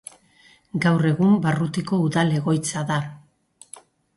Gaur egun barrutiko udal egoitza da.